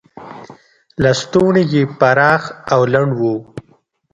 لستوڼي یې پراخ او لنډ و.